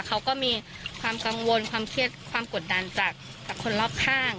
เขาก็มีความกังวลความเครียดความกดดันจากคนรอบข้าง